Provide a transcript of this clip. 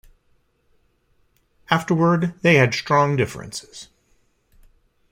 Afterward they had strong differences.